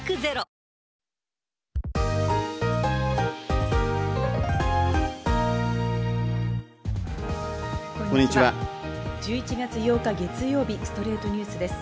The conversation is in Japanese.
１１月８日、月曜日『ストレイトニュース』です。